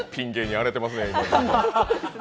荒れてますね。